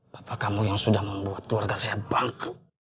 bapak kamu yang sudah membuat keluarga saya bangku